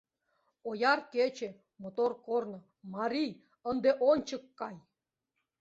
Ояр кече, мотор корно, Марий, ынде ончык кай!